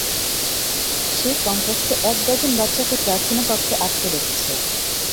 সে কমপক্ষে এক ডজন বাচ্চাকে প্রার্থনা কক্ষে আটকে রেখেছে।